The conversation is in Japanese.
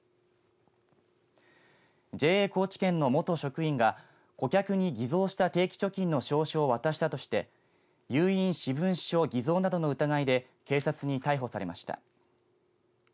ＪＡ高知県の元職員が顧客に偽造した定期貯金の証書を渡したとして有印私文書偽造などの疑いで警察に逮捕されました。